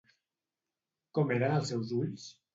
Com eren els seus ulls?